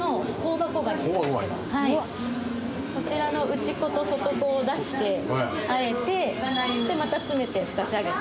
こちらの内子と外子を出してあえてでまた詰めてふかし上げた。